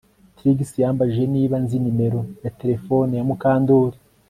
Trix yambajije niba nzi nimero ya terefone ya Mukandoli